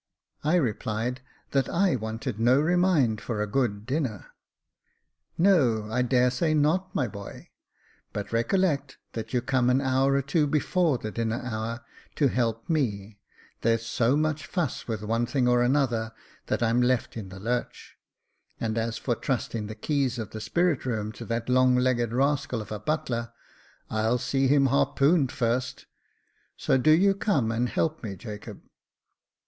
132 Jacob Faithful I replied, " that I wanted no remind for a good dinner." " No, I dare say not, my boy ; but recollect that you come an hour or two before the dinner hour, to help me ; there's so much fuss with one thing or another that I'm left in the lurch ; and as for trusting the keys of the spirit room to that long togged rascal of a butler, I'll see him harpoon'd first j so do you come and help me, Jacob."